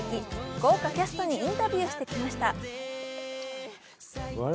豪華キャストにインタビューしてきました。